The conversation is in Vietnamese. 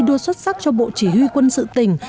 đua xuất sắc cho bộ chỉ huy quân sự tỉnh